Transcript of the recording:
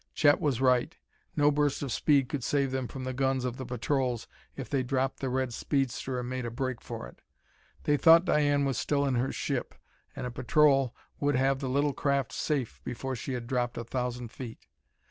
Chet was right; no burst of speed could save them from the guns of the patrols if they dropped the red speedster and made a break for it. They thought Diane was still in her ship, and a patrol would have the little craft safe before she had dropped a thousand feet.